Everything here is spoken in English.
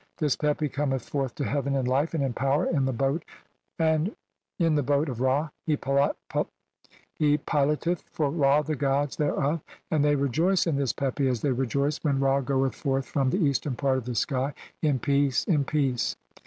This Pepi "cometh forth to heaven in life and in power in the "boat of Ra, he piloteth for Ra the gods [thereof], "and [they rejoice] in this Pepi as they rejoice when "[Ra] goeth forth from the eastern part of the sky "in peace, in peace."